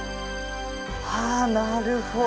はあなるほど。